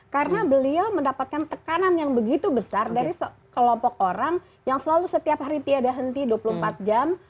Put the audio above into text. karena beliau mendapatkan tekanan yang begitu besar dari kelompok orang yang selalu setiap hari tiada henti dua puluh empat jam